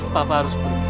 papa harus pergi